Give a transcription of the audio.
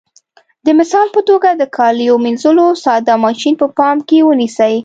د مثال په توګه د کالیو منځلو ساده ماشین په پام کې ونیسئ.